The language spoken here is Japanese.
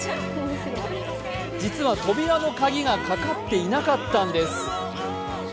実は扉の鍵がかかっていなかったんです。